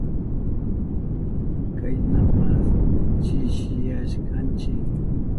Kaynapas chishiyashkanchi.